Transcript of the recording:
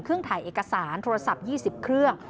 ถ่ายเอกสารโทรศัพท์๒๐เครื่อง